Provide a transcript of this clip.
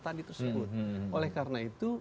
tadi tersebut oleh karena itu